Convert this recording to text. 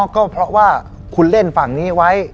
ก็เพราะว่าคุณเล่นฝั่งนี้ไว้